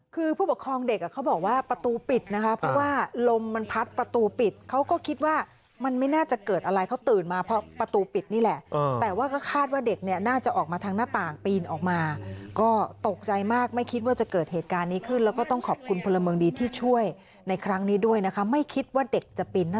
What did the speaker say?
คือผู้ปกครองเด็กอ่ะเขาบอกว่าประตูปิดนะคะเพราะว่าลมมันพัดประตูปิดเขาก็คิดว่ามันไม่น่าจะเกิดอะไรเขาตื่นมาเพราะประตูปิดนี่แหละแต่ว่าก็คาดว่าเด็กเนี่ยน่าจะออกมาทางหน้าต่างปีนออกมาก็ตกใจมากไม่คิดว่าจะเกิดเหตุการณ์นี้ขึ้นแล้วก็ต้องขอบคุณพลเมืองดีที่ช่วยในครั้งนี้ด้วยนะคะไม่คิดว่าเด็กจะปีน